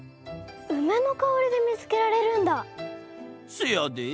せやで！